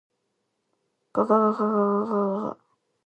ががががががが。